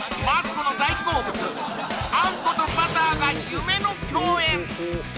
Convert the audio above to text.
マツコの大好物あんことバターが夢の共演！